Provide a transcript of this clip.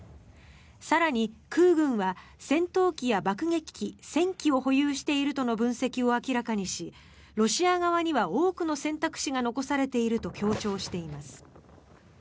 更に、空軍は戦闘機や爆撃機１０００機を保有しているとの分析を明らかにしロシア側には多くの選択肢が残されていると強調しています。